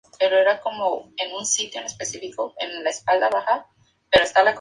Las hojas son usadas por los indígenas como perfume.